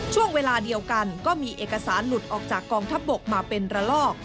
ช่วงเวลาเดียวกันก็มีเอกสารหลุดออกจากกองทัพบกมาเป็นระลอก